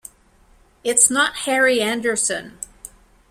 It's not Harry Anderson.